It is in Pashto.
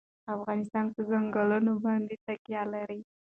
افغانستان په ځنګلونه باندې تکیه لري.